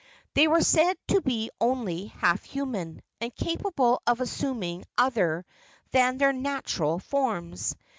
They were said to be only half human, and capable of assuming other than their natural forms.